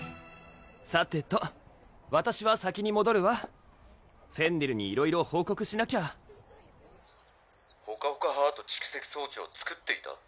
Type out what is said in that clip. さてとわたしは先にもどるわフェンネルにいろいろ報告しなきゃ「ほかほかハート蓄積装置を作っていた？」